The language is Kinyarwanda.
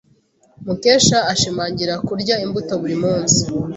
Mukesha ashimangira kurya imbuto buri munsi.